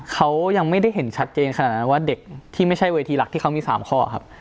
เขายังไม่ได้เห็นชัดเจนขนาดนั้นว่าเด็กที่ไม่ใช่เวทีหลักที่เขามี๓ข้อครับ